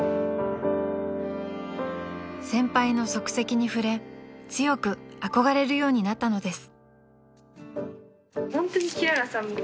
［先輩の足跡に触れ強く憧れるようになったのです］